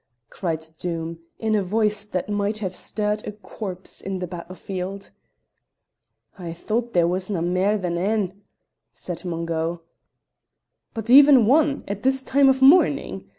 cried Doom, in a voice that might have stirred a corps in the battlefield. "I thought there wasna mair than ane," said Mungo. "But even one! At this time of morning!